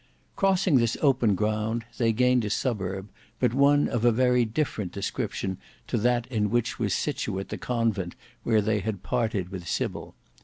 Crossing this open ground they gained a suburb, but one of a very different description to that in which was situate the convent where they had parted with Sybil.